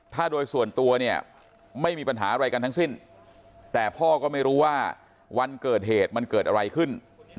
ถ้าโดยส่วนตัวไม่มีปัญหาอะไรกันทั้งสิ้นแต่พ่อก็ไม่รู้ว่าวันเกิดเหตุมันเกิดอะไรขึ้น